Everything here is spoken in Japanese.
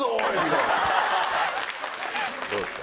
どうですか？